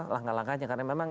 langkah langkahnya karena memang